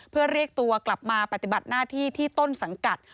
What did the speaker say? เพื่อเรียกตัวกลับมาปฏิบัติหน้าที่ที่ต้นสังกัด